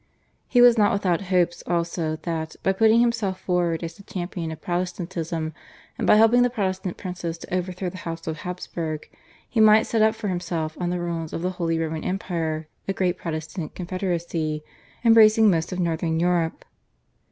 He was not without hopes also that, by putting himself forward as the champion of Protestantism and by helping the Protestant princes to overthrow the House of Habsburg, he might set up for himself on the ruins of the Holy Roman Empire a great Protestant confederacy embracing most of Northern Europe.